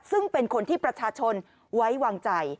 ซึ่งเป็นคนที่ประชาชนไว้วางใจ